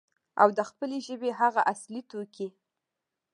او د خپلې ژبې هغه اصلي توکي،